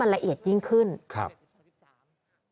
คือแม้ว่าจะมีการเลื่อนงานชาวพนักกิจแต่พิธีไว้อาลัยยังมีครบ๓วันเหมือนเดิม